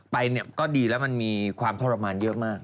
ไปเนี่ยก็ดีแล้วมันมีความทรมานเยอะมาก